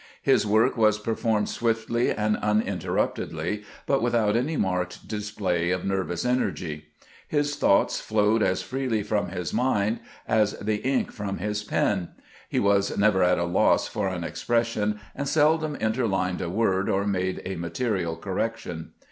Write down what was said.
His work was per formed swiftly and uninterruptedly, but without any marked display of nervous energy. His thoughts flowed as freely from his mind as the ink from his pen ; he was never at a loss for an expression, and seldom interlined a word or made a material correction.